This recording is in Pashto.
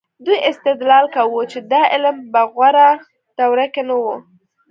دوی استدلال کاوه چې دا علم په غوره دوره کې نه و.